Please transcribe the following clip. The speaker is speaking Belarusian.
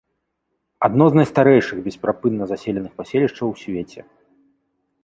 Адно з найстарэйшых бесперапынна заселеных паселішчаў у свеце.